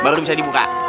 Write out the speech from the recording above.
baru bisa dibuka